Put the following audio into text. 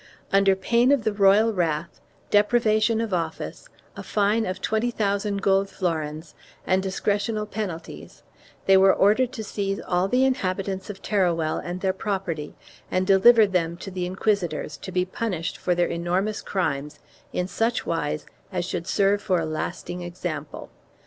Under pain of the royal wrath, deprivation of office, a fine of twenty thousand gold florins and discretional penalties, they were ordered to seize all the inhabitants of Teruel and their property and deliver them to the inquisitors to be punished for their enormous crimes in such wise as should serve for a lasting example.